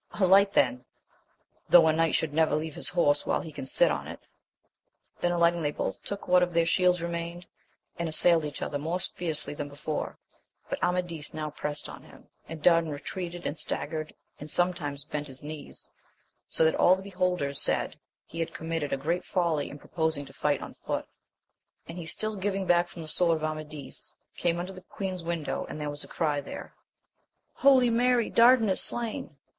Alight then ! though a knight should never leave his horse while he can sit on it. Then alighting they both took what of their shields remained, and assailed each other more fiercely than before ; but Amadis now prest on him, and Dar dan retreated and staggered, and sometimes bent his knees, so that all the beholders said he had committed a great folly in proposing to fight on foot; and he still giving back from the sword of Amadis, came under the qneen'8 vnndow^ and there was a crj ^Jtiet^/^^^ 90 AMADIS OF GAUL. Mary, Dardan is slain